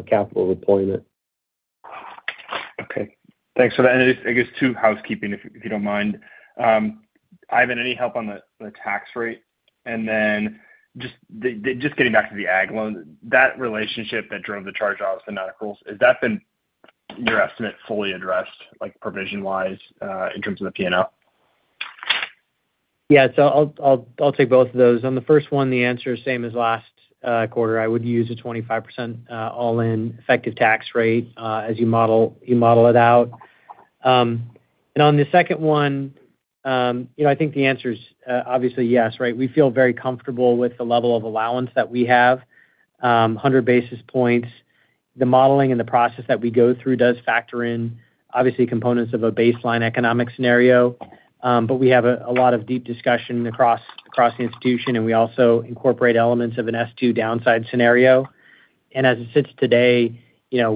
capital deployment. Okay. Thanks for that. I guess two, housekeeping, if you don't mind. Ivan, any help on the tax rate? Then just getting back to the ag loans, that relationship that drove the charge-offs, the nonaccruals, has that been your estimate fully addressed, like provision wise in terms of the P&L? Yeah. I'll take both of those. On the first one, the answer is same as last quarter. I would use a 25% all-in effective tax rate as you model it out. On the second one I think the answer is obviously yes, right? We feel very comfortable with the level of allowance that we have, 100 basis points. The modeling and the process that we go through does factor in, obviously, components of a baseline economic scenario. We have a lot of deep discussion across the institution, and we also incorporate elements of an S2 downside scenario. As it sits today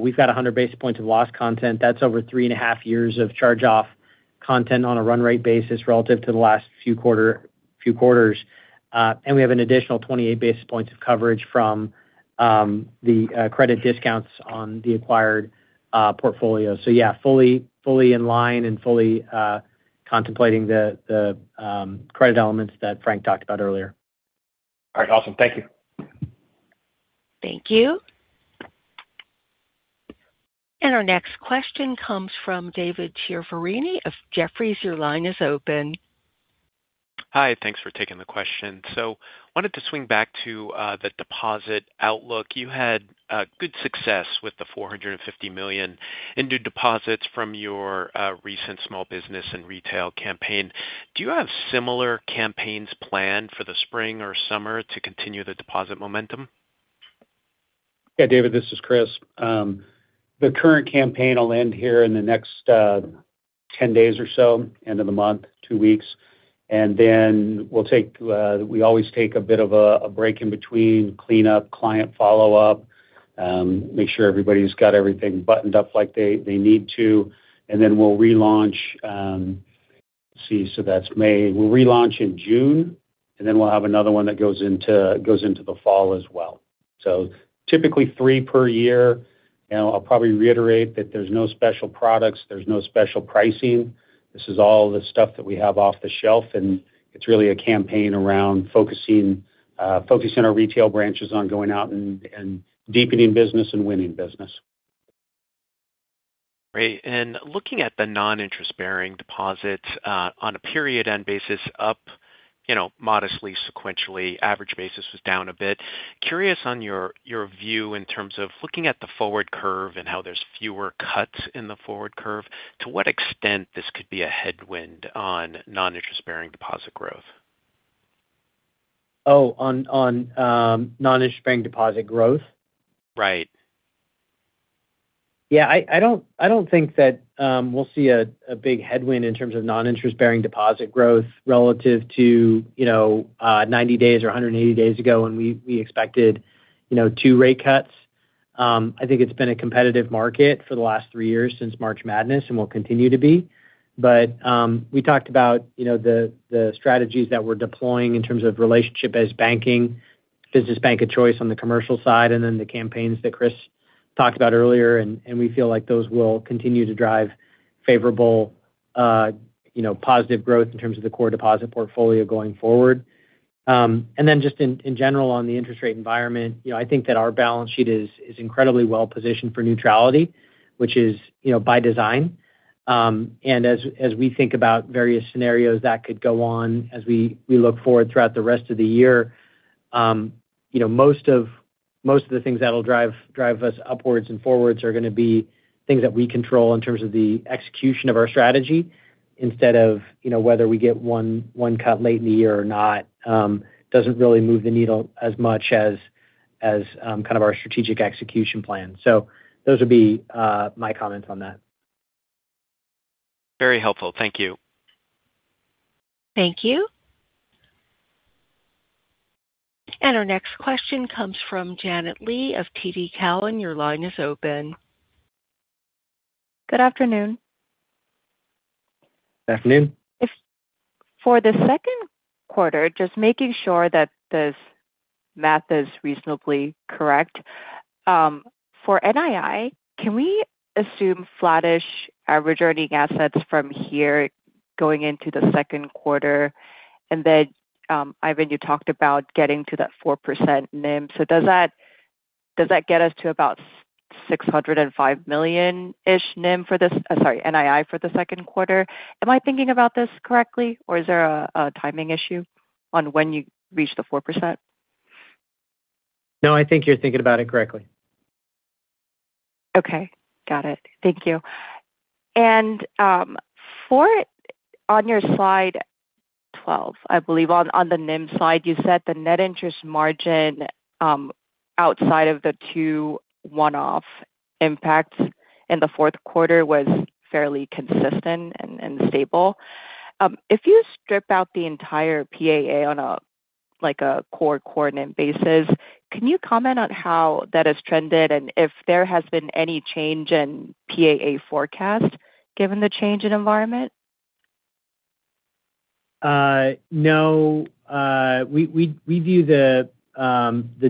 we've got 100 basis points of loss content. That's over 3.5 years of charge-off content on a run rate basis relative to the last few quarters. We have an additional 28 basis points of coverage from the credit discounts on the acquired portfolio. Yeah, fully in line and fully contemplating the credit elements that Frank talked about earlier. All right, awesome. Thank you. Thank you. Our next question comes from David Chiaverini of Jefferies. Your line is open. Hi, thanks for taking the question. Wanted to swing back to the deposit outlook. You had good success with the $450 million in new deposits from your recent small business and retail campaign. Do you have similar campaigns planned for the spring or summer to continue the deposit momentum? Yeah, David, this is Chris. The current campaign will end here in the next 10 days or so, end of the month, two weeks. Then we always take a bit of a break in between, clean up, client follow-up, make sure everybody's got everything buttoned up like they need to, and then we'll relaunch. Let's see, that's May. We'll relaunch in June, and then we'll have another one that goes into the fall as well. Typically three per year. I'll probably reiterate that there's no special products, there's no special pricing. This is all the stuff that we have off the shelf, and it's really a campaign around focusing our retail branches on going out and deepening business and winning business. Great. Looking at the non-interest-bearing deposits on a period end basis up modestly sequentially, average basis was down a bit. Curious on your view in terms of looking at the forward curve and how there's fewer cuts in the forward curve. To what extent this could be a headwind on non-interest-bearing deposit growth? Oh, on non-interest-bearing deposit growth? Right. Yeah, I don't think that we'll see a big headwind in terms of non-interest-bearing deposit growth relative to 90 days or 180 days ago when we expected two rate cuts. I think it's been a competitive market for the last three years since March Madness and will continue to be. We talked about the strategies that we're deploying in terms of relationship banking, business bank of choice on the commercial side, and then the campaigns that Chris talked about earlier, and we feel like those will continue to drive favorable positive growth in terms of the core deposit portfolio going forward. Then just in general on the interest rate environment, I think that our balance sheet is incredibly well-positioned for neutrality, which is by design. As we think about various scenarios that could go on as we look forward throughout the rest of the year, most of the things that'll drive us upwards and forwards are going to be things that we control in terms of the execution of our strategy instead of whether we get one cut late in the year or not. It doesn't really move the needle as much as our strategic execution plan. Those would be my comments on that. Very helpful. Thank you. Thank you. Our next question comes from Janet Lee of TD Cowen. Your line is open. Good afternoon. Afternoon. For the second quarter, just making sure that this math is reasonably correct. For NII, can we assume flattish average earning assets from here going into the second quarter? Ivan, you talked about getting to that 4% NIM. Does that get us to about $605 million-ish NII for the second quarter? Am I thinking about this correctly, or is there a timing issue on when you reach the 4%? No, I think you're thinking about it correctly. Okay. Got it. Thank you. On your slide 12, I believe on the NIM slide, you said the net interest margin outside of the two one-off impacts in the fourth quarter was fairly consistent and stable. If you strip out the entire PAA on a core [operating] basis, can you comment on how that has trended and if there has been any change in PAA forecast given the change in environment? No. We view the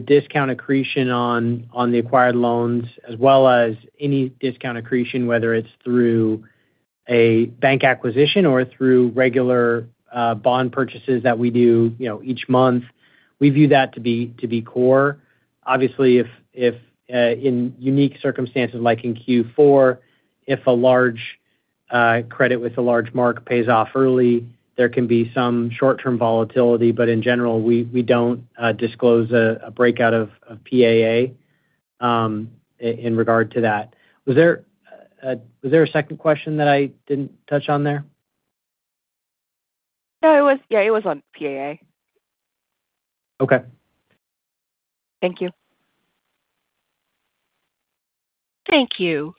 discount accretion on the acquired loans as well as any discount accretion, whether it's through a bank acquisition or through regular bond purchases that we do each month. We view that to be core. Obviously, if in unique circumstances like in Q4, if a large credit with a large mark pays off early, there can be some short-term volatility. But in general, we don't disclose a breakout of PAA in regard to that. Was there a second question that I didn't touch on there? No. It was on PAA. Okay. Thank you. Thank you.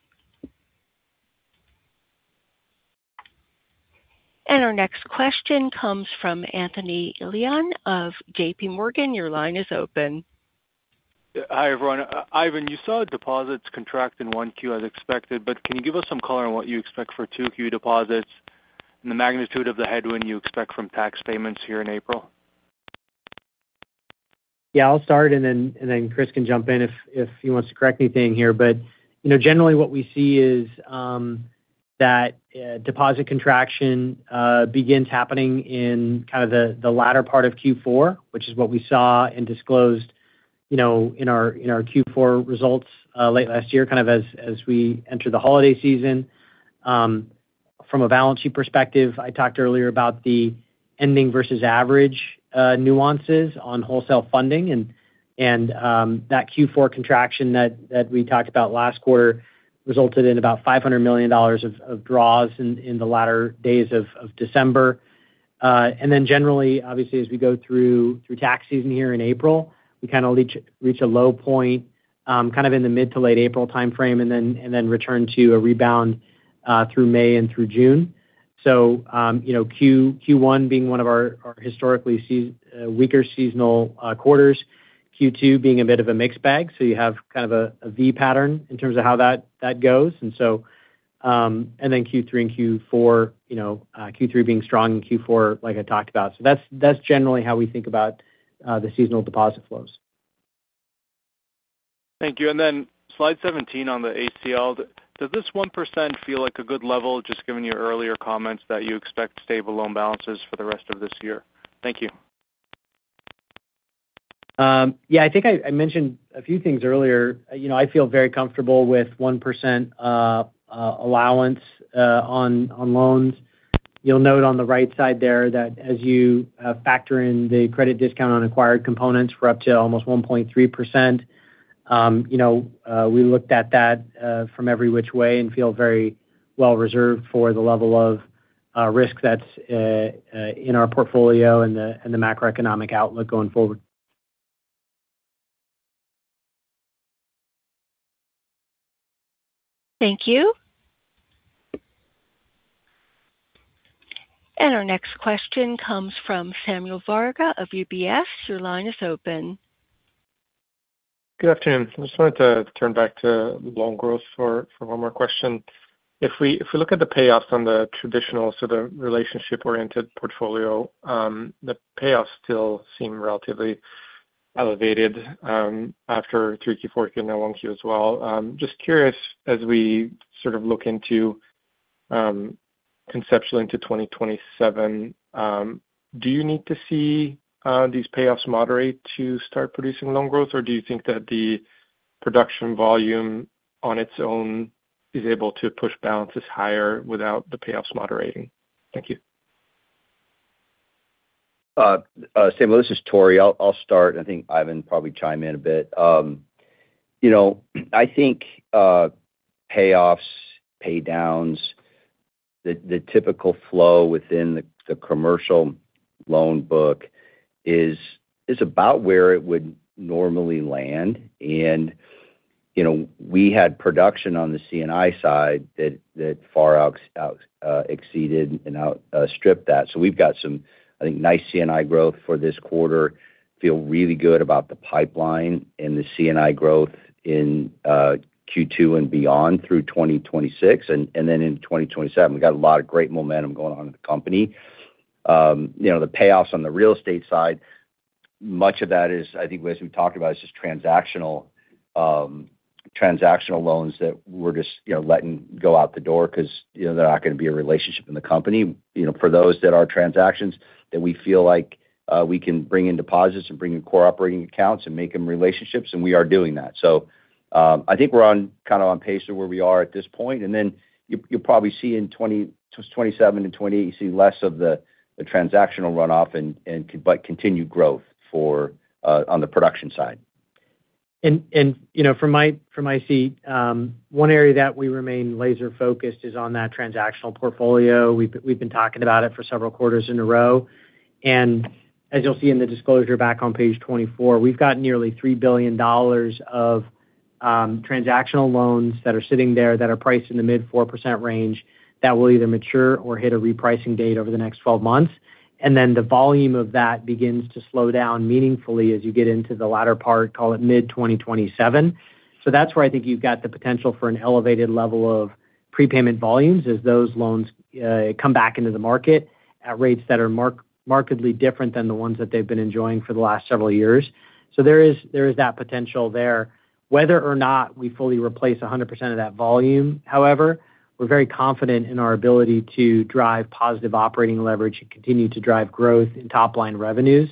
Our next question comes from Anthony Elian of JPMorgan. Your line is open. Hi, everyone. Ivan, you saw deposits contract in 1Q as expected, but can you give us some color on what you expect for 2Q deposits and the magnitude of the headwind you expect from tax payments here in April? Yeah, I'll start and then Chris can jump in if he wants to correct anything here. Generally what we see is that deposit contraction begins happening in the latter part of Q4, which is what we saw and disclosed in our Q4 results late last year as we enter the holiday season. From a balance sheet perspective, I talked earlier about the ending versus average nuances on wholesale funding, and that Q4 contraction that we talked about last quarter resulted in about $500 million of draws in the latter days of December. Generally, obviously as we go through tax season here in April, we kind of reach a low point kind of in the mid to late April timeframe and then return to a rebound through May and through June. Q1 being one of our historically weaker seasonal quarters, Q2 being a bit of a mixed bag. You have kind of a V pattern in terms of how that goes. Q3 and Q4, Q3 being strong and Q4 like I talked about. That's generally how we think about the seasonal deposit flows. Thank you. Slide 17 on the ACL, does this 1% feel like a good level just given your earlier comments that you expect stable loan balances for the rest of this year? Thank you. Yeah, I think I mentioned a few things earlier. I feel very comfortable with 1% allowance on loans. You'll note on the right side there that as you factor in the credit discount on acquired components, we're up to almost 1.3%. We looked at that from every which way and feel very well reserved for the level of risk that's in our portfolio and the macroeconomic outlook going forward. Thank you. Our next question comes from Samuel Varga of UBS. Your line is open. Good afternoon. I just wanted to turn back to loan growth for one more question. If we look at the payoffs on the traditional, so the relationship-oriented portfolio, the payoffs still seem relatively elevated after 3Q, 4Q, now 1Q as well. Just curious, as we sort of look conceptually into 2027, do you need to see these payoffs moderate to start producing loan growth or do you think that the production volume on its own is able to push balances higher without the payoffs moderating? Thank you. Samuel, this is Tory. I'll start and I think Ivan will probably chime in a bit. I think payoffs, paydowns, the typical flow within the commercial loan book is about where it would normally land. We had production on the C&I side that far exceeded and outstripped that. We've got some, I think, nice C&I growth for this quarter, feel really good about the pipeline and the C&I growth in Q2 and beyond through 2026. Then in 2027, we've got a lot of great momentum going on in the company. The payoffs on the real estate side, much of that is, I think, as we talked about, is just transactional loans that we're just letting go out the door because they're not going to be a relationship in the company. For those that are transactions that we feel like we can bring in deposits and bring in core operating accounts and make them relationships, and we are doing that. I think we're kind of on pace to where we are at this point. You'll probably see in 2027-2028 less of the transactional runoff but continued growth on the production side. From my seat, one area that we remain laser focused is on that transactional portfolio. We've been talking about it for several quarters in a row. As you'll see in the disclosure back on page 24, we've got nearly $3 billion of transactional loans that are sitting there that are priced in the mid 4% range that will either mature or hit a repricing date over the next 12 months. Then the volume of that begins to slow down meaningfully as you get into the latter part, call it mid-2027. That's where I think you've got the potential for an elevated level of prepayment volumes as those loans come back into the market at rates that are markedly different than the ones that they've been enjoying for the last several years. There is that potential there. Whether or not we fully replace 100% of that volume, however, we're very confident in our ability to drive positive operating leverage and continue to drive growth in top-line revenues.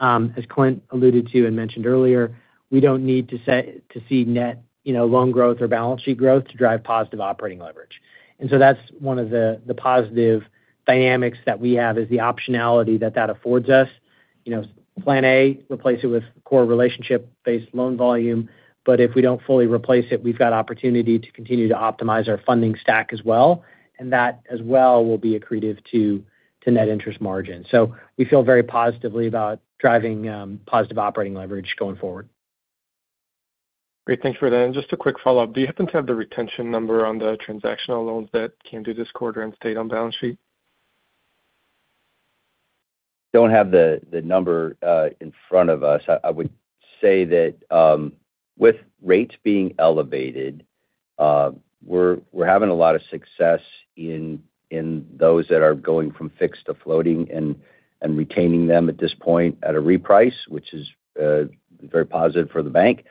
As Clint alluded to and mentioned earlier, we don't need to see net loan growth or balance sheet growth to drive positive operating leverage. That's one of the positive dynamics that we have is the optionality that that affords us. Plan A, replace it with core relationship-based loan volume. If we don't fully replace it, we've got opportunity to continue to optimize our funding stack as well, and that as well will be accretive to net interest margin. We feel very positively about driving positive operating leverage going forward. Great. Thanks for that. Just a quick follow-up. Do you happen to have the retention number on the transactional loans that came due this quarter and stayed on balance sheet? Don't have the number in front of us. I would say that with rates being elevated, we're having a lot of success in those that are going from fixed to floating and retaining them at this point at a reprice, which is very positive for the bank,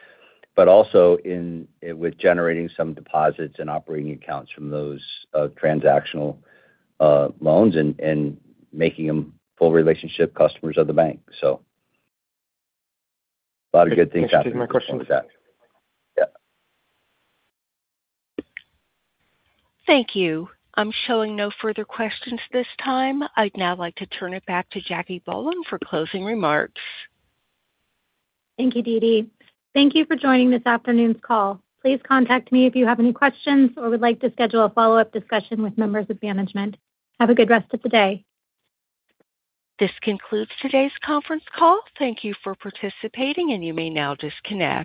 also with generating some deposits and operating accounts from those transactional loans and making them full relationship customers of the bank. A lot of good things happening on that front. That's my question. Yeah. Thank you. I'm showing no further questions this time. I'd now like to turn it back to Jacque Bohlen for closing remarks. Thank you, DeeDee. Thank you for joining this afternoon's call. Please contact me if you have any questions or would like to schedule a follow-up discussion with members of management. Have a good rest of the day. This concludes today's conference call. Thank you for participating, and you may now disconnect.